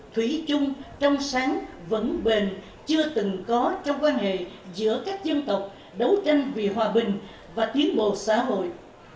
thủy chung trong sáng vẫn bền chưa từng có trong quan hệ giữa các dân tộc đấu tranh vì hòa bình và tiến bộ xã hội